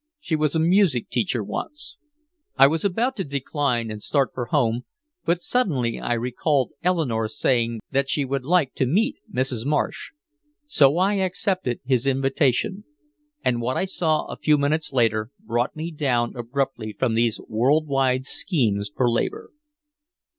She was a music teacher once." I was about to decline and start for home, but suddenly I recalled Eleanore's saying that she would like to meet Mrs. Marsh. So I accepted his invitation. And what I saw a few minutes later brought me down abruptly from these world wide schemes for labor.